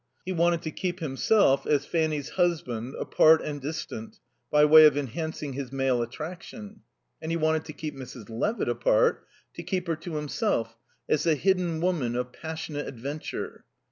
He wanted to keep himself, as Fanny's husband, apart and distant, by way of enhancing his male attraction. And he wanted to keep Mrs. Levitt apart, to keep her to himself, as the hidden woman of passionate adventure.